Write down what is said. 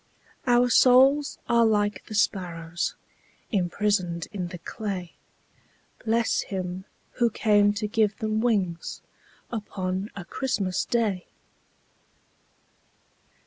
Our souls are like the sparrows Imprisoned in the clay, Bless Him who came to give them wings Upon a Christmas Day!